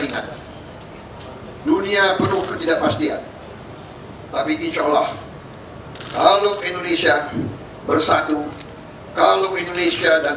ingat dunia penuh ketidakpastian tapi insya allah kalau indonesia bersatu kalau indonesia dan